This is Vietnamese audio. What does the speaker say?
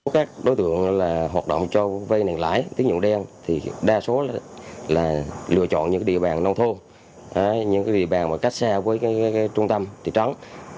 các đối tượng hoạt động cho vây nhanh lãi tín dụng đen đa số lựa chọn những địa bàn nông thôn những địa bàn cách xa với trung tâm thị trấn